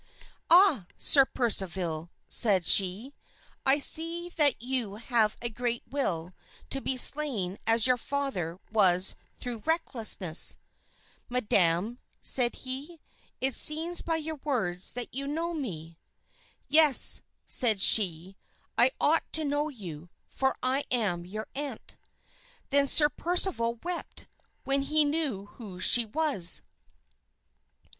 "Ah! Sir Percival," said she, "I see that you have a great will to be slain as your father was through recklessness." "Madam," said he, "it seems by your words that you know me." "Yes," said she, "I ought to know you, for I am your aunt." Then Sir Percival wept, when he knew who she was.